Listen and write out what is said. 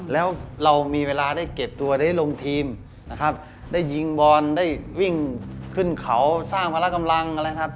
แล้วเรามีเวลาได้เก็บตัวได้ลงทีมได้ยิงบอลได้วิ่งขึ้นเขาสร้างพละกำลัง